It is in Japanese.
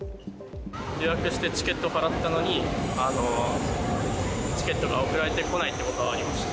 予約してチケット払ったのに、チケットが送られてこないってことはありました。